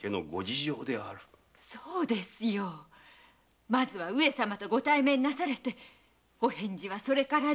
そうですよまずは上様とご対面なされてお返事はそれから。